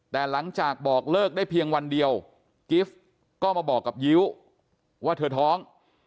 แต่หลังจากบอกเลิกได้เพียงวันเดียวกิฟต์ก็มาบอกกับยิ้วว่าเธอท้อง